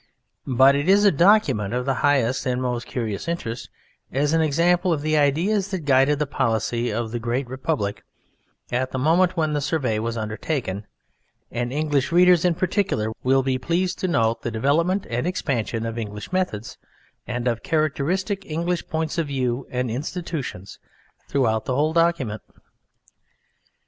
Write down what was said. But it is a document of the highest and most curious interest as an example of the ideas that guided the policy of the Great Republic at the moment when the survey was undertaken; and English readers in particular will be pleased to note the development and expansion of English methods and of characteristic English points of view and institutions throughout the whole document.